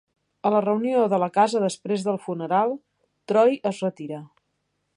A la reunió de la casa després del funeral, Troy es retira.